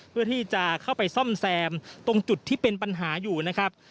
เพื่อที่จะเข้าไปซ่อมแซมตรงจุดที่เป็นปัญหาอยู่นะครับ